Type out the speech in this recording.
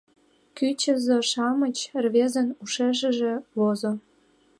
«Кӱчызӧ-шамыч», — рвезын ушешыже возо.